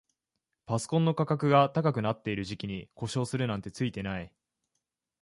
パソコンの価格が高くなってる時期に故障するなんてツイてない